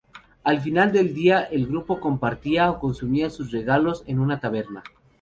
Al final del día el grupo compartiría o consumía sus regalos en una taberna.